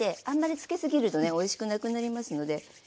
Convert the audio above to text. あんまり付けすぎるとねおいしくなくなりますので。